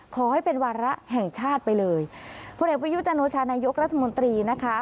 ขอให้เป็นวาระแห่งชาติไปเลยพลเอกประยุจันโอชานายกรัฐมนตรีนะคะ